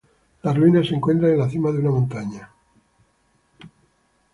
Las ruinas se encuentran en la cima de una montaña.